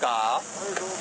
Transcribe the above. はいどうぞ。